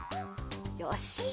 よし。